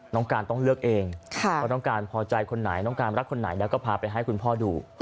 น้องการต้องเลือกเองว่าต้องการพอใจคนไหนต้องการรักคนไหนแล้วก็พาไปให้คุณพ่อดู